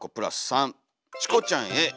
チコちゃんへ。